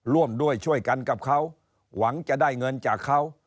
ร่วมด้วยช่วยกันกับเขาหวังจะได้เงินจากเขา